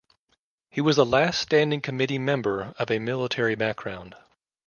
He was the last Standing Committee member of a military background.